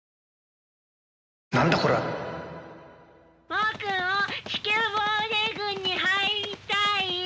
僕も地球防衛軍に入りたい！